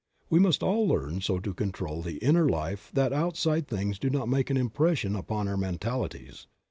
We must all learn so to control the inner life that outside things do not make an impression upon our mentalities.